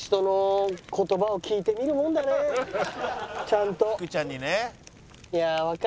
ちゃんと。